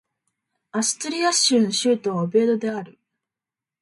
アストゥリアス州の州都はオビエドである